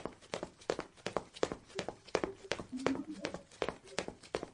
udongo wa mfinyanzi huzuia mizizi ya viazi kupenya ili kupata viazi vikubwa